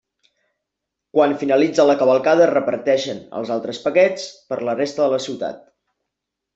Quan finalitza la cavalcada es reparteixen els altres paquets per la resta de la ciutat.